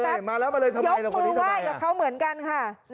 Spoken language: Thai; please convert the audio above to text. อ้าวมาแล้วมาเลยยกมือไหว้กับเขาเหมือนกันค่ะ